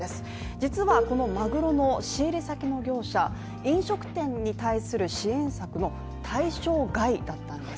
実はこのマグロの仕入れ先の業者、飲食店に対する支援策の対象外だったんです。